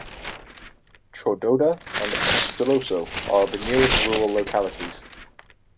Chododa and Katroso are the nearest rural localities.